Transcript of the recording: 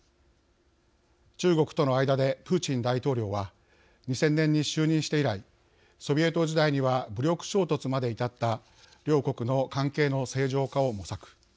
中国との間でプーチン大統領は２０００年に就任して以来ソビエト時代には武力衝突まで至った両国の関係の正常化を模索。